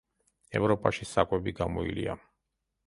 ევროპაში საკვები გამოილია.